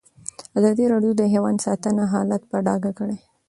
ازادي راډیو د حیوان ساتنه حالت په ډاګه کړی.